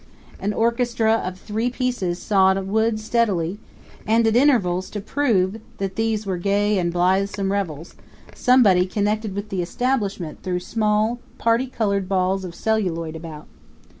An orchestra of three pieces sawed wood steadily; and at intervals, to prove that these were gay and blithesome revels, somebody connected with the establishment threw small, party colored balls of celluloid about.